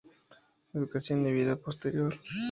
Educación y vida posterior.